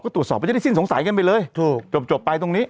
ก็ตรวจสอบมันจะได้สิ้นสงสัยกันไปเลยถูกจบไปตรงนี้